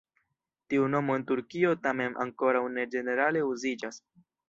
Tiu nomo en Turkio tamen ankoraŭ ne ĝenerale uziĝas.